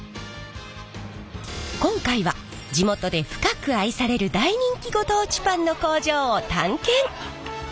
今回は地元で深く愛される大人気ご当地パンの工場を探検！